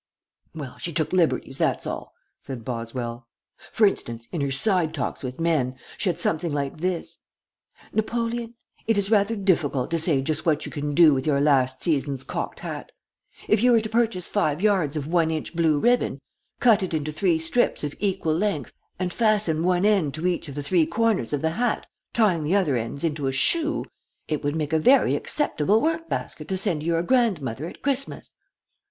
"Well, she took liberties, that's all," said Boswell. "For instance, in her 'Side Talks with Men' she had something like this: 'Napoleon It is rather difficult to say just what you can do with your last season's cocked hat. If you were to purchase five yards of one inch blue ribbon, cut it into three strips of equal length, and fasten one end to each of the three corners of the hat, tying the other ends into a choux, it would make a very acceptable work basket to send to your grandmother at Christmas.'